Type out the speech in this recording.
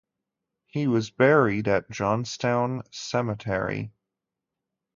He was buried at Johnstown Cemetery.